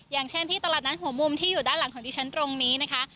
อย่างเช่นที่ตลาดนัดหัวมุมที่อยู่ด้านหลังของดิฉันตรงนี้นะคะ